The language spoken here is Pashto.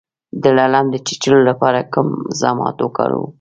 د لړم د چیچلو لپاره کوم ضماد وکاروم؟